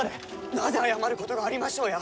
なぜ謝ることがありましょうや！